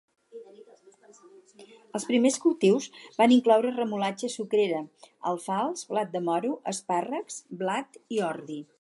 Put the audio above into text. Els primers cultius van incloure remolatxa sucrera, alfals, blat de moro, espàrrecs, blat i ordi.